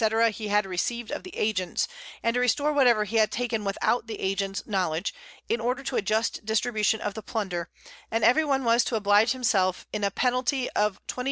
_ he had received of the Agents, and to restore whatever he had taken without the Agents Knowledge, in order to a just distribution of the Plunder, and every one was to oblige himself in a Penalty of 20_s.